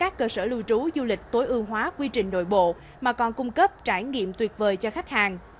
các cơ sở lưu trú du lịch tối ưu hóa quy trình nội bộ mà còn cung cấp trải nghiệm tuyệt vời cho khách hàng